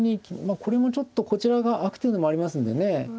これもちょっとこちらが空くっていうのもありますんでね。